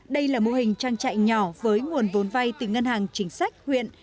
đây là mô hình trang trại nhỏ với nguồn vốn vay từ ngân hàng chính sách huyện